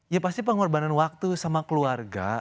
ya pasti pengorbanan waktu sama keluarga